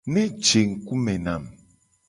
Ne je ngku me nam.